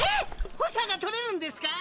「補佐」が取れるんですか